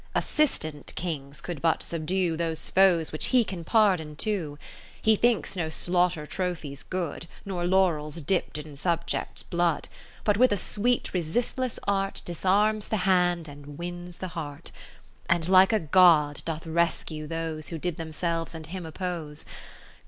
50 Assistant Kinsjs could but subdue Those Foes which he can pardon too. He thinks no Slaughter trophies good, Nor laurels dipt in subjects' blood ; But with a sweet resistless art Disarms the hand, and wins the heart ; And like a God doth rescue those Who did themselves and him oppose.